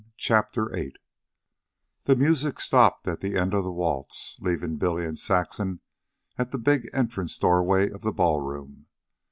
CHAPTER VIII The music stopped at the end of the waltz, leaving Billy and Saxon at the big entrance doorway of the ballroom.